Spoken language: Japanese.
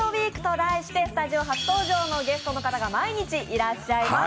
題して、スタジオ初登場のゲストの方が毎日いらっしゃいます。